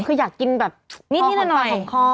คืออยากกินแบบคอขอนฟ้าของคอ